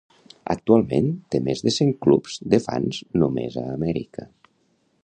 Actualment té més de cent clubs de fans només a Amèrica.